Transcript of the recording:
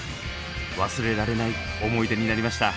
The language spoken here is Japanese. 忘れられない思い出になりました。